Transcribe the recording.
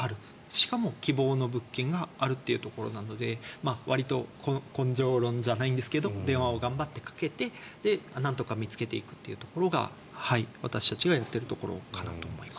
しかも希望の物件があるというところなのでわりと根性論じゃないですけど電話を、頑張ってかけてなんとか見つけていくというところが私たちがやっているところかなと思います。